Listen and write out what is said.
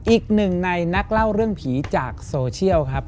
อีกหนึ่งในนักเล่าเรื่องผีจากโซเชียลครับ